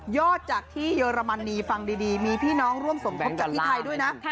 จากที่เยอรมนีฟังดีมีพี่น้องร่วมสมทบจากที่ไทยด้วยนะ